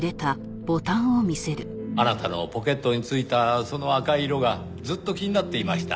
あなたのポケットに付いたその赤い色がずっと気になっていました。